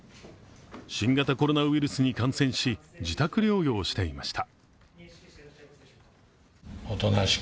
新型コロナウイルスに感染し自宅療養していました。